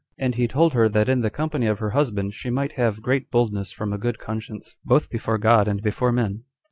And he told her, that in the company of her husband she might have great boldness from a good conscience, both before God and before men.